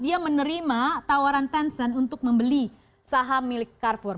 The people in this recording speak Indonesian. dia menerima tawaran tencent untuk membeli saham milik carfor